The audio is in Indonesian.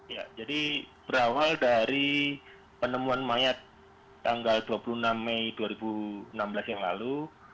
ya jadi berawal dari penemuan mayat tanggal dua puluh enam mei dua ribu enam belas yang lalu